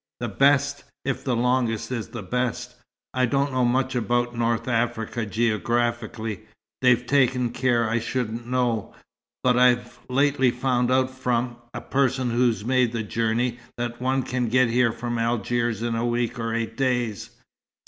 "The best, if the longest is the best. I don't know much about North Africa geographically. They've taken care I shouldn't know! But I I've lately found out from a person who's made the journey, that one can get here from Algiers in a week or eight days.